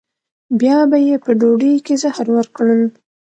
بیا به یې په ډوډۍ کې زهر ورکړل.